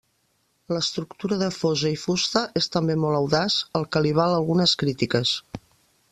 L'estructura de fosa i fusta és també molt audaç, el que li val algunes crítiques.